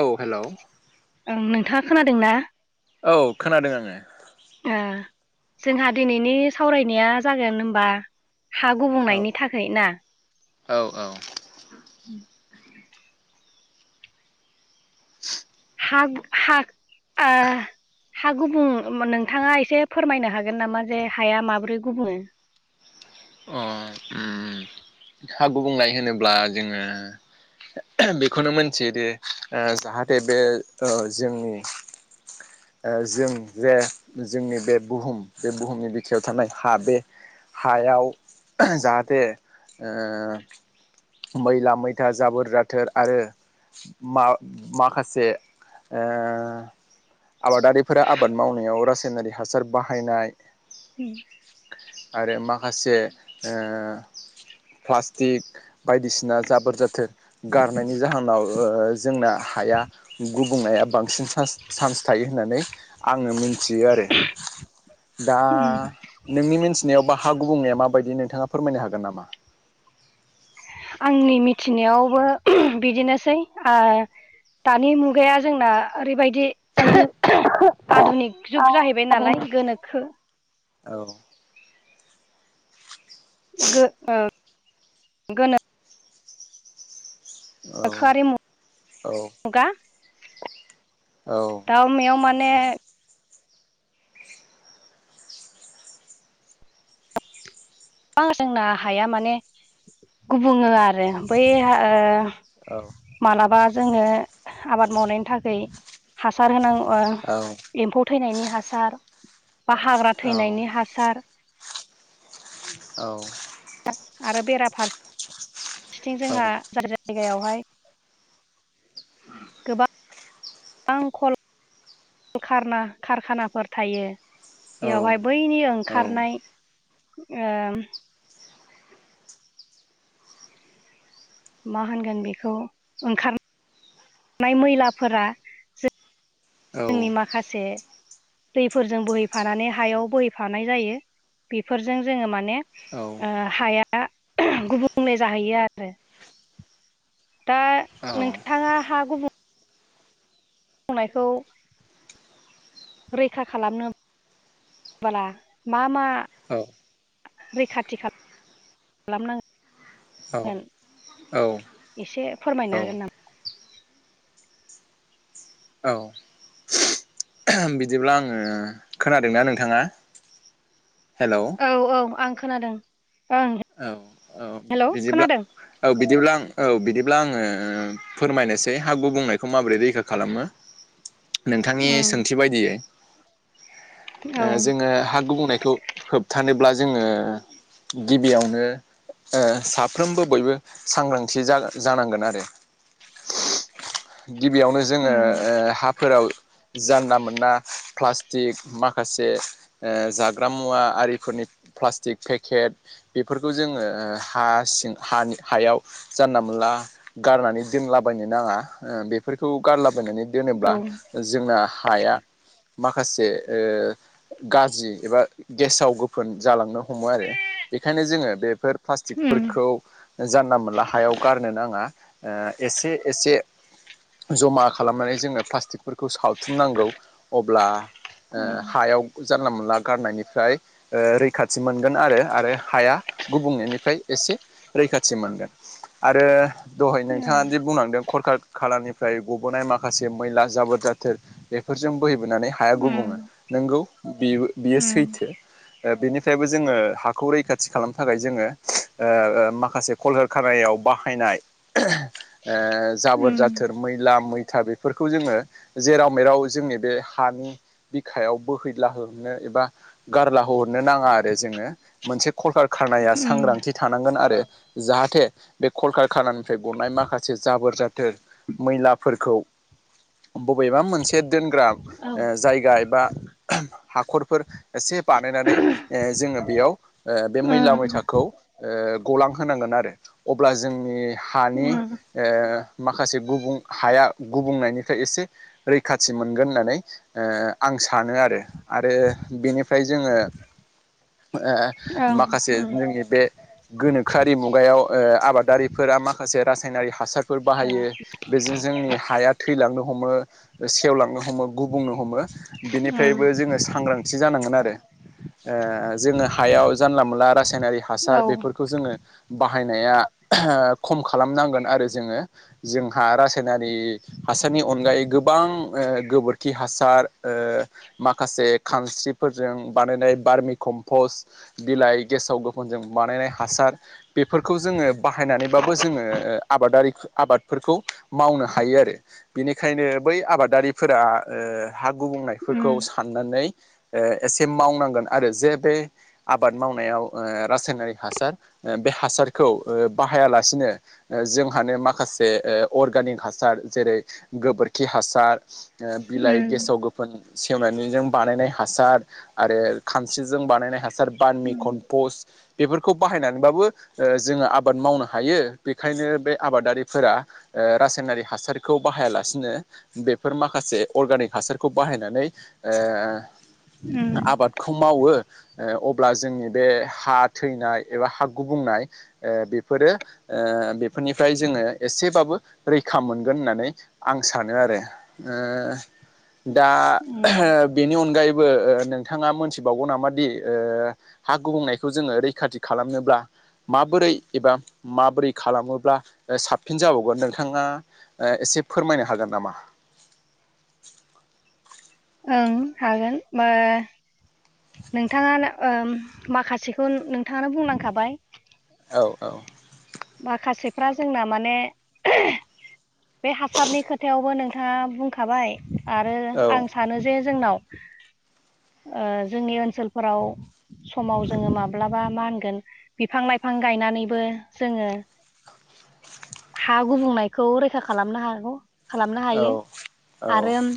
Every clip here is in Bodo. औ हेल' ओं नोंथाङा खोनादों ना औ खोनादों आङो ओ जोंहा दिनैनि सावरायनाया जागोन हबा हा औ गुबुंनायनि थाखाय ना औ औ उ हा हा ओ हा गुबुं नोंथाङा एसे फोरमायनो हागोन नामा जे हाया माब्रै गुबुङो [inaudible] अ हा हा गुबुंनाय होनोब्ला जोङो बेखौनो मोनथियोदि जाहाथे बे जोंनि जों जे जोंनि बे बुहुम बे बुहुमनि बिखायाव थानाय हा बे हायाव जाहाथे ओ मैला मैथा जाबोर जथोर आरो माऊ माखासे ओ आबादारिफोरा आबाद मावनायाव रासायनारि हासार बाहायनाय उ [inaudible] आरो माखासे प्लास्टिक बायदिसिना जाबोर जाथोर गारनायनि जाहोनाव जोंना हाया गुबुंनाया बांसिन चान्स थायो होननानै आङो मिथियो आरो दा नोंनि मिथिनायाव बा हा गुबुंनाय मा बायदिनो नोंथाङा फोरमायनो हागोन नामा आंनि मिथिनायावबो बिदिनोसै आ दानि मुगाया जोंना ओरैबायदि दि आधुनिक जुग जाहैबाय नालाय गोनोखो औ गो ओ गोनो औ थाखोआरि औ मुगा औ दाउ मेयाव माने गोबां जोंना हाया माने गुबुङो आरो बै ओ औ मालाबा जोङो आबाद मावनायनि थाखाय हासार होनांगौ औ एम्फौ थैनायनि हासार बा हाग्रा औ थैनायनि हासार आरो बेराफारसे फारसेथिं जोंहा जाय जायगायावहाय आं खल खारखानाफोर थायो बेयावहाय बैनि ओंखारनाय ओ मा होनगोन बेखौ ओंखार नाय मैलाफोरा जोंनि माखासे दैफोरजों बोहैफानानै हायाव बोहैफानाय जायो। बेफोरजों जोङो माने हाया गुबुंले जाहैयो आरो दा नोंथाङा हा गुबुं नायखौ रैखा खालामनो बाला मा मा रैखाथि खालाम [unintelligible] औ। एसे फोरमायनो औ हागोन नामा? औ बिदिब्ला आङो खोनादोंना नोंथाङा। हेल'! औ औ आं खोनादों। ओं। औ हेलौ बिदिब्ला, खोनादों औ बिदिब्ला आं औ बिदिब्ला आङो फोरमायनोसै, हा गुनायखौ माबोरै रैखा खालामो‌। नोंथांनि उम सोंथि बायदियै औ जोङो हा गुबुंनायखौ होबथानोब्ला जोङो गिबियावनो साफ्रोमबो बयबो सांग्रांथि जा जानांगोन आरो। [unintelligible] गिबियावनो जोङो उम हाफोराव जानला मोना प्लास जे माखासे जाग्रा मुवा आरिफोरनि प्लाटिक पेकेट फोरखौ जोङो हा सिं हा हायाव जानला मोनला गारनानै दोनलाबायनो नाङा। बेफोरखौ गारला बाययनानै दोनोब्ला, औ उम जोंना हाया माखासे गाज्रि एबा गेसाव गोफोन जालांनो हमो आरो। बेखायनो जोङो बेफोर प्लास्टिकफोरखौ जानला मोनला हायाव गारनो नाङा। ओ एसे एसे जमा खालामनानै जोङो प्लास्टिकफोरखौ सावथुमनांगौ। अब्ला औ हायाव जानला मोनला गारनायनिफ्राय रैखाथि मोनगोन आरो आरो हाया गुबुं फ्राय एसे रैखाथि मोनगोन। आरो दहाय नोंथाङा जे बुंलांदों, खरखा खालारनिफ्राय गबोनाय माखासे मैला जाबोर जाथोर बेफोरजों बोहैबोनानै हाया गुबुङो। उम नोंगौ बियो उम सैथो। बेनिफ्रायबो जोङो हाखौ रैखाथि खालामनो थाखाय जोङो ओ माखासे खल खानायाव बाहायनाय [unintelligible] जाबोर उम जाथोर मैला मै था बेफोरखौ जोङो जेराव मेराव जोंनि बे हानि बिखायाव बोहैलाहोनो बख गारला हरनो नाङा आरो जोङो, मोनसे कलकारखानाया उम सांग्रांथि थानांगोन आरो। जाहाथे बे कलकारखानानिफ्राय गनाय माखासे जाबोर जाथोर मैलाफोरखौ बबेबा मोनसे दोनग्रा औ जायगा एबा हाखरफोर एसे बानायनानै जोङो बेयाव बे उम मैला मैथा ओ गलां होनांगोन आरो, अब्ला जोंनि हानि उम माखासे गुबुं हाया गुबुंनायनिफ्राय एसे रैखाथि मोनगोन होननानै आं सानो आरो। आरो बेनिफ्राय जोङो ओं उम औ माखासे उम जोंनि बे गोनोखोआरि मुगायाव आबादारिफोरा माखासे रासायनारि हासार फोर बाहायो बेजों जोंनि हाया थो थैलांनो हमो, सेवलांनो हमो, गुबुंनो हमो, बेनिफ्रायबो जोङो सांग्रांथि एसे जानांगोन आरो। जोङो हायाव जानला मोनला रासाय नारि हासार बेफोरखौ जोङो बाय नाया खम खालामनांगोन नांगोन आरो जोङो जोंहा रासायनारि हासार नि अनगायै गोबां ओ गोबोरखि हासार ओ माखासे खानस्रिफोरजों बानायनाय बार्मि कम्पस्ट बिलाइ गेसाव गोफनजों बानायनाय हासार बेफोरखौ जोङो बाहायनानैबाबो जोङो आबादारि आबादफोरखौ मावनो हायो आरो बिनिखायनो बै आबादारिफोरा हा गुबुंनायफोरखौ साननानै ओ एसे मावनांगोन आरो जे बे आबाद मावनायाव ओ रासायनारि हासार बे हासारखौ बाहायालासेनो जोंहानो माखासे माखासे अर्गानिक हासार जेरै गोबोरखि हासार ओ बिलाइ उम गेसाव गोफोन सेवनानैजों बानायनाय हासार आरो खानस्रिजों बानायनाय हासार बान मि खन बेफोरखौ बाहायनानैबाबो जोङो आबाद मावनो हायो बेखायनो बे आबादारिफोरा रासायनारि हासारखौ बाहायालासिनो बेफोर माखासे अर्गानिक हासारखौ बाहायनानै उम ओ उम आबादखौ मावो अब्ला जोंनि बे हा थैनाय एबा हा गुबुंनाय बेफोरो बेफोरनिफ्राय जोङो नो एसेबाबो रैखा मोनगोन होननानै आं सानो आरो दा उम बेनि अनगायैबो नोंथाङा मोनथिबावगौ नामा दि हा गुबुंनायखौ जोङो रैखाथि खालामनोब्ला माबोरै एबा माबोरै खालामोब्ला साबसिन जाबावगोन नोंथाङा ओ एसे फोरमायनो हागोन नामा ओं हागोन मा नोंथाङा ओ माखासेखौ नोंथाङानो बुंनांखाबाय औ औ माखासेफ्रा जोंना माने बे हासारनि खोथायावबो नोंथाङा बुंखाबाय आरो औ आं सानो जे जोंनाव ओ जोंनि ओनसोलफोराव समाव जोङो माब्लाबा मा होनगोन बिफां लाइफां गायनानैबो जोङो हा गुबुंनायखौ रैखा खालामनो हागौ खालामनो औ हायो आरो औ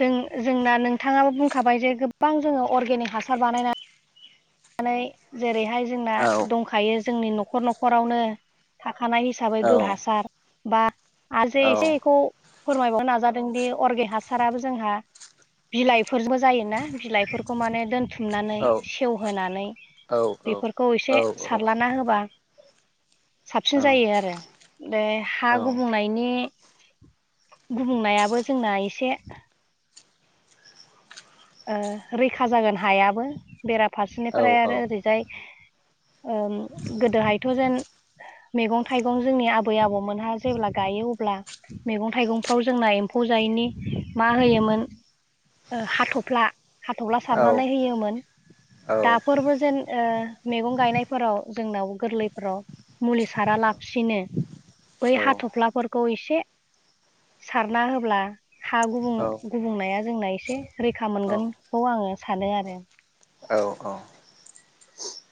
जों जोंना नोंथाङाबो बुंखाबाय जे गोबां जोङो अर्गेनिक हासार बानायनानै नानै जेरैहाय जोंना औ दंखायो जोंनि न'खर न'खरावनो खानाय हिसाबै गोबासार बा आ औ एसे एखौ फोरमायबावनो नाजादोंदि अर्गे हासाराबो जोंहा। बिलाइफोरबो जायोना बिलाइफोरखौ माने दोन थुमनानै औ सेवहोनानै औ बेफोरखौ औ औ एसे सारलाना होबा साबसिन जायो आरो बे हा गुबुंनायनि गुबुंनायाबो जोंना एसे ओ रैखा जागोन हायाबो औ बेराफारसेनिफ्राय आरो ओरैजाय ओ गोदोहायथ' जेन मैगं थाइगं जोंनि आबै आबौमोनहा जेब्ला गायो अब्ला मैगं थाइगं फफ्राव जोंना एमफौ जायिनि मा होयोमोन ओ हाथ' फ्ला हाथ'थफ्ला सारनानै होयोमोन दाफोरबो जेन ओ मैगं गायनायफोराव जोंनाव गोरलैफोराव मुलि सारा लाबसिनो बै हाथ'फ्लाफोरखौ एसे सारना होब्ला हा गुब औ गुबुंनाया जोंना एसे रैखा रैखा मोनगोनखौ आङो सानो आरो औ औ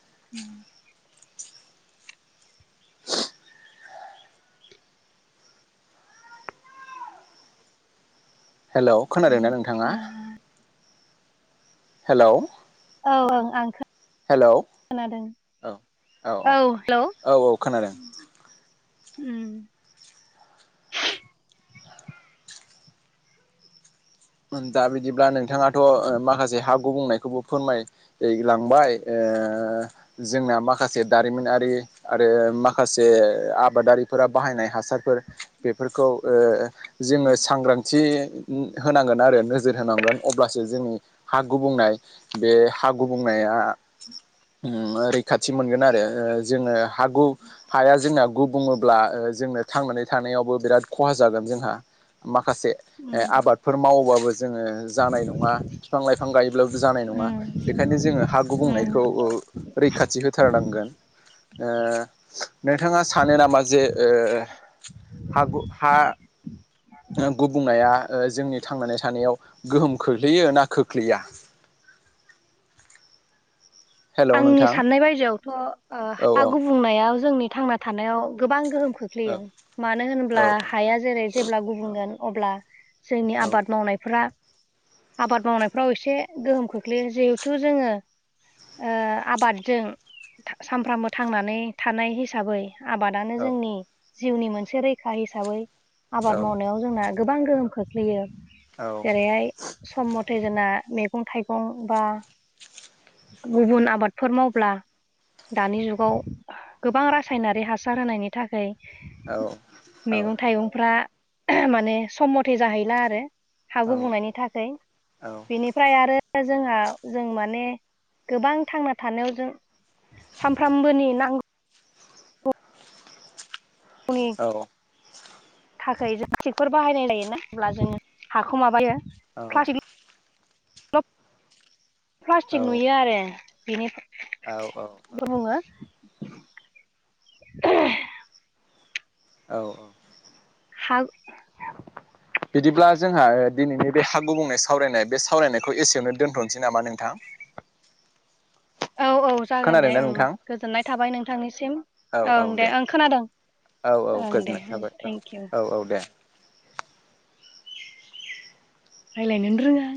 [inaudible] हेल' खोनादोंना नोंथाङा हेल' औ औओ आं खोनादों औ औ हेलौ औ औ खोनादों उम [unintelligible] दा बिदिब्ला नोंथाङाथ' माखासे हाु गुबुंनायखौबो फोरमायलांबाय ओ जोंना माखासे दारिमिनारि आरो माखासे आबादारिफोरा बनाय हारफोरखौ जोो सांग्रथि [unintelligible] होनांगोन आरो नोजोर होनांगोन अब्लासो जोंनि हा गुबुंनाय बे हा गुबुंनाया [unintelligible] ओ रैखाथि मोनगोन आरो जोङो हाया जोंना गु बुङोब्ला जोंनो थांनानै थानायावबो बिराद खहा जागोन जोंहा माखासे उम आबाद मावबाबो जोङो जानाय नङा बिफां लाइफां गायोब्लाबो जानाय नङा उम बेनिखायनो जोङो हा गुबुंनाय उम खौ रैखाथि होथारनांगोन‌ ओ नोंथाङा सानो नामा जे हागु हा [unintelligible] ओ गुबुंनाया जोंनि थांनानै थानायाव गोहोम खोख्लैयो ना खोख्लैया [unintelligible] हेल' आंनि नोंथां साननाय बायदिआवथ' ओ औ हा गुबुंनायाव जोंनि थांना थानायाव गोबां गोहोम औ खोख्लैयो मानो होनब्ला औ हाया जेरै जेब्ला गुबुंगोन अब्ला जोंनि औ आबाद मावनायफोरा आबाद मावनायफ्राव एसे गोहोम खोख्लैयो जिहेथु जोङो ओआबादजों सामफ्रामबो थांनानै थानाय हिसाबै आबादानो जोंनि जिउनि मोनसे रैखा हिसाबै आबाद औ मावनायाव जोंना गोबां गोहोम खोख्लैयो औ जेरैहाय सम मथे फै जोंना मैगं थाइगं बा गुबुन आबादफोर मावब्ला दानि जुगाव गोबां रासायनारि हासार होनायनि थाखाय मैगं थाइगंफ्रा माने सम मथे जाहैला आरो हा गुब बुंनायनि थाखाय बेनिफ्राय आरो जोंहा जों माने गोबां थांना थानायाव जों सानफ्रामबोनि नांगौ औ। थिखफोर बाहायनाय लायोना अब्ला जोङो हाखौ माबायो [unintelligible] औ। प्लास्टिक प्लास्टिक नुयो आरो बेनिफ्राय [unintelligible] औ औ थां बिदिब्ला जोंहा दिनैनि बे हाु बुंनाय सावरायनाय बे सावरायनायखौ एसेयावनो दोनथ'नोसै नामा नोंथां। [inaudible] औ औ जागोन दे खोनादोंना ओं नोंथां गोजोननाय थाबाय नोंथांनिसिम ओं दे ओं खोनादों। औ औ ओं दे गोजोननाय थाबाय औ थेंक इउ औ औ दे रलाायनोनो‌ रोङा